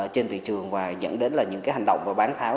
trên thị trường và dẫn đến những hành động và bán tháo